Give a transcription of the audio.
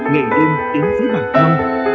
ngày đêm đến với bàn thăm